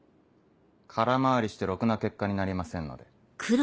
空回りしてろくな結果になりませんので。